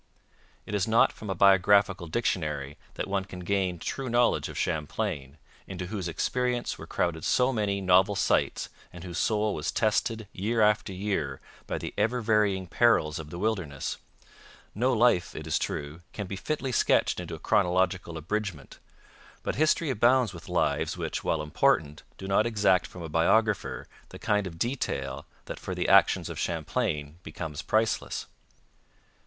It is not from a biographical dictionary that one can gain true knowledge of Champlain, into whose experience were crowded so many novel sights and whose soul was tested, year after year, by the ever varying perils of the wilderness. No life, it is true, can be fitly sketched in a chronological abridgment, but history abounds with lives which, while important, do not exact from a biographer the kind of detail that for the actions of Champlain becomes priceless.